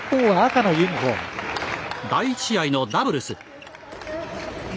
第１試合のダブルス。